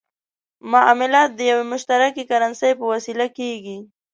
معاملات د یوې مشترکې کرنسۍ په وسیله کېږي.